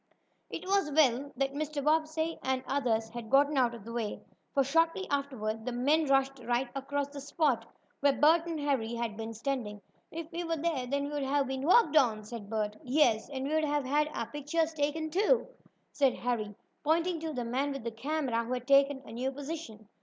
It was well that Mr. Bobbsey and the others had gotten out of the way, for shortly afterward the men rushed right across the spot where Bert and Harry had been standing. "If we were there, then we'd have been walked on," said Bert. "Yes, and we'd have had our pictures taken, too," said Harry, pointing to the man with the camera who had taken a new position.